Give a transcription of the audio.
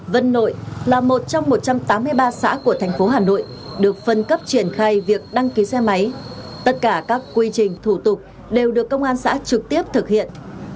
vân nội là một trong một trăm tám mươi ba xã của thành phố hà nội được phân cấp triển khai việc đăng ký xe máy tất cả các quy trình thủ tục đều được công an xã trực tiếp thực hiện